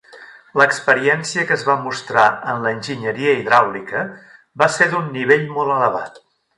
L'experiència que es va mostrar en l'enginyeria hidràulica va ser d'un nivell molt elevat.